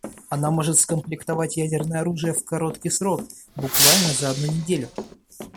Она может скомплектовать ядерное оружие в короткий срок, буквально за одну неделю.